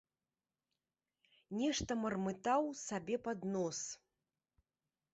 Нешта мармытаў сабе пад нос.